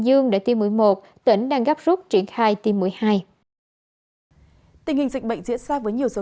dương một tỉnh đang gấp rút triển khai tiêm một mươi hai tình hình dịch bệnh diễn ra với nhiều dấu